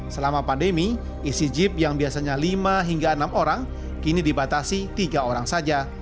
selama pandemi isi jeep yang biasanya lima hingga enam orang kini dibatasi tiga orang saja